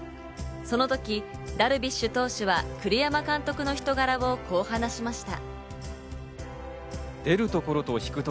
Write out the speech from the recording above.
その時、ダルビッシュ投手は栗山監督の人柄をこう話しました。